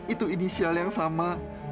itu inisial yang sama